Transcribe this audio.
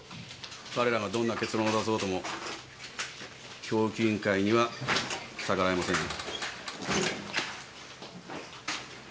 彼らがどんな結論を出そうとも教育委員会には逆らえませんよ。